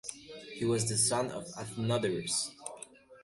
He was the son of Athenodorus.